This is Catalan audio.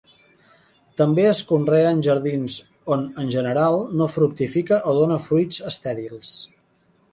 També es conrea en jardins, on, en general, no fructifica o dóna fruits estèrils.